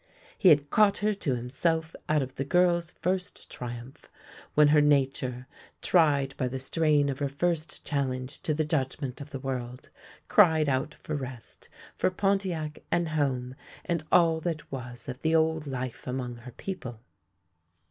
He had caught her to himself out of the girl's first tri umph, when her nature, tried by the strain of her first challenge to the judgment of the world, cried out for THE LANE THAT HAD NO TURNING 25 rest, for Pontiac and home, and all that was of the old life among her people.